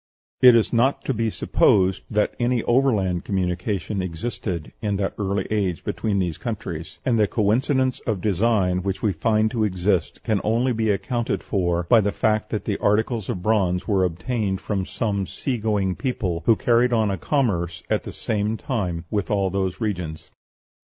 It is not to be supposed that any overland communication existed in that early age between these countries; and the coincidence of design which we find to exist can only be accounted for by the fact that the articles of bronze were obtained from some sea going people, who carried on a commerce at the same time with all these regions.